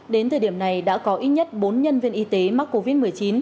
đến thời điểm này đã có ít nhất bốn nhân viên y tế mắc covid một mươi chín